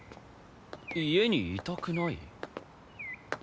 家にいたくない？